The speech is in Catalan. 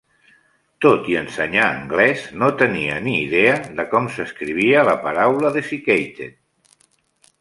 Tot i ensenyar anglès, no tenia ni idea de com s'escrivia la paraula "desiccated".